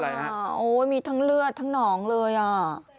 โย่ยมีทั้งเลือดทางหนองเลยอ่ะ